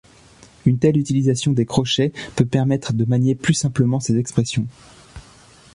Une telle utilisation des crochets peut permettre de manier plus simplement ces expressions.